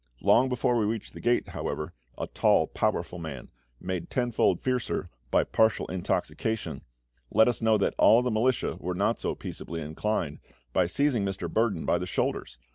Long before we reached the gate, however, a tall powerful man, made tenfold fiercer by partial intoxication, let us know that all the militia were not so peaceably inclined, by seizing Mr. Burdon by the shoulders.